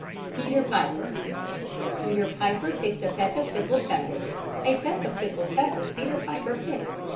PETER PIPER Peter Piper picked a peck of pickled peppers; A peck of pickled peppers Peter Piper picked.